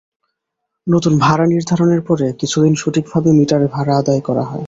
নতুন ভাড়া নির্ধারণের পরে কিছুদিন সঠিকভাবে মিটারে ভাড়া আদায় করা হয়।